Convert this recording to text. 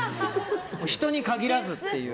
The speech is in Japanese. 人に限らずという。